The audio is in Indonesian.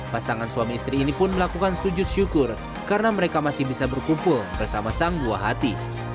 pasangan suami istri ini pun melakukan sujud syukur karena mereka masih bisa berkumpul bersama sang buah hati